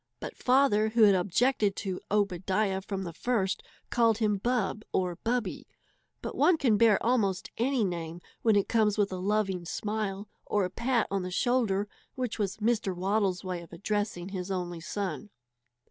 His father, who had objected to "Obadiah" from the first, called him Bub or Bubby; but one can bear almost any name when it comes with a loving smile or a pat on the shoulder, which was Mr. Waddle's way of addressing his only son.